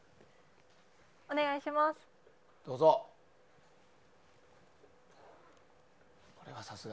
お願いします。